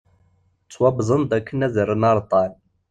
Ttawwḍen-d akken ad rren areṭṭal.